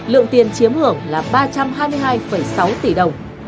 lượng tiền chiếm hưởng là ba trăm hai mươi hai sáu tỷ đồng